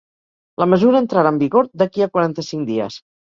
La mesura entrarà en vigor d’aquí a quaranta-cinc dies.